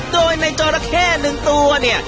โดยในจราแค่หนึ่งตัวเนี่ย